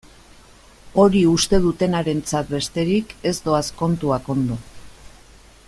Hori uste dutenarentzat besterik ez doaz kontuak ondo.